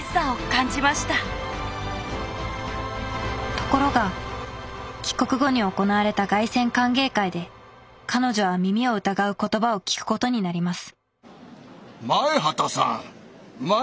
ところが帰国後に行われた凱旋歓迎会で彼女は耳を疑う言葉を聞くことになります